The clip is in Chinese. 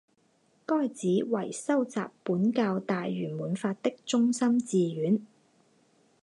该寺为修习苯教大圆满法的中心寺院。